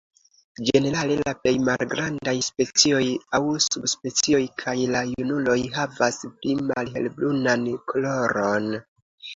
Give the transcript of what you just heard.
Ĝenerale la plej malgrandaj specioj aŭ subspecioj kaj la junuloj havas pli malhelbrunan koloron.